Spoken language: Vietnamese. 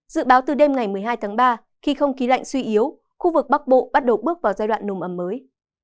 dự báo từ đêm ngày một mươi hai tháng ba khi không khí lạnh suy yếu khu vực bắc bộ bắt đầu bước vào giai đoạn nồm ẩm mới